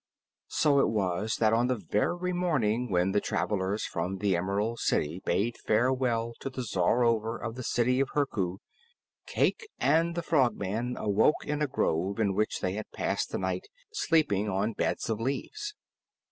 So it was that on the very morning when the travelers from the Emerald City bade farewell to the Czarover of the City of Herku, Cayke and the Frogman awoke in a grove in which they had passed the night sleeping on beds of leaves.